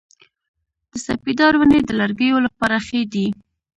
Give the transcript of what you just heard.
د سپیدار ونې د لرګیو لپاره ښې دي؟